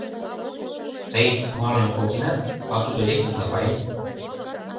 Тый мален колтенат, а тудо лектын да каен.